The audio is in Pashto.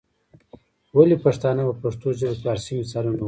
ولي پښتانه په پښتو ژبه کي فارسي مثالونه وايي؟